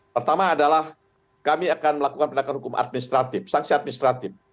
pertama adalah kami akan melakukan penegakan hukum administratif sanksi administratif